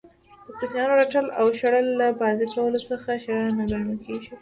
د کوچنیانو رټل او شړل له بازئ کولو څخه ښه نه ګڼل کیږي.